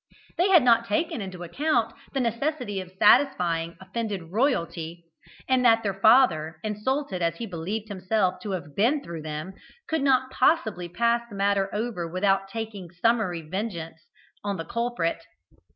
They had not taken into account the necessity of satisfying offended royalty, and that their father, insulted as he believed himself to have been through them, could not possibly pass the matter over without taking summary vengeance on the culprit.